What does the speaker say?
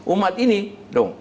umat ini dong